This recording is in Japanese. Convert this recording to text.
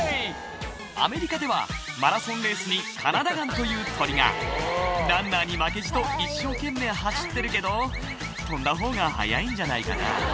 アメリカではマラソンレースにカナダガンという鳥がランナーに負けじと一生懸命走ってるけど飛んだ方が早いんじゃないかな